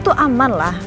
itu aman lah